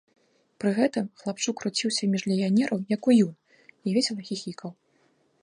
Пры гэтым хлапчук круціўся між легіянераў, як уюн, і весела хіхікаў.